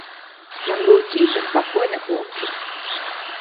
Ён быў ціхі, спакойны хлопчык.